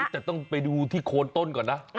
แต่ต้องไปดูที่โคนต้นก่อนนะ